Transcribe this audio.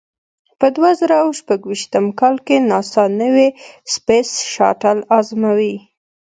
په دوه زره او شپږ ویشتم کال کې ناسا نوې سپېس شاتل ازموي.